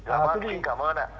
cảm ơn ạ